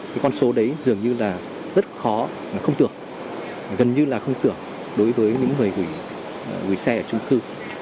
cái con số đấy dường như là rất khó không tưởng gần như là không tưởng đối với những người gửi xe ở trung cư